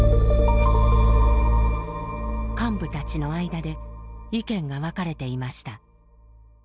幹部たちの間で意見が分かれていました。